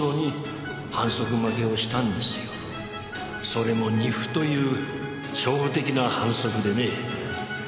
それも二歩という初歩的な反則でね。